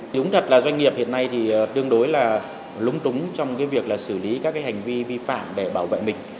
đúng thật là doanh nghiệp hiện nay thì tương đối là lúng túng trong việc là xử lý các cái hành vi vi phạm để bảo vệ mình